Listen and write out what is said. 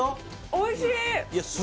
おいしい！